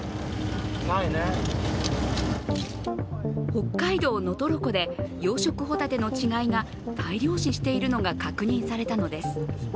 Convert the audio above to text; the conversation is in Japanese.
北海道能取湖で養殖ホタテの稚貝が大量死しているのが確認されたのです。